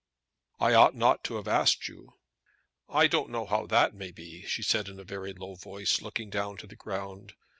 "I ought not to have asked you." "I don't know how that may be," she said in a very low voice, looking down to the ground.